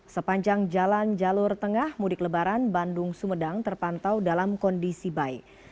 sepanjang jalan jalur tengah mudik lebaran bandung sumedang terpantau dalam kondisi baik